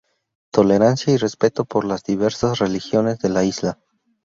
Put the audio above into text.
Tolerancia y respeto por las diversas religiones de la isla.